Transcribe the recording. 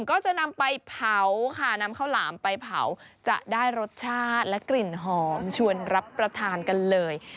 ก็จะนำไปเผาค่ะนำข้าวหลามไปเผาจะได้รสชาติและกลิ่นหอมชวนรับประทานกันเลย